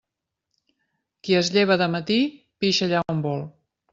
Qui es lleva de matí, pixa allà on vol.